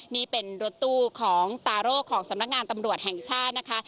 นี่เป็นรถตู้ของตาโร่ของสำนักงานตำรวจแห่งชาตินะคะ